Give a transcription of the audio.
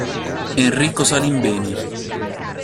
Enrico Salimbeni